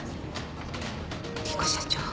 莉湖社長。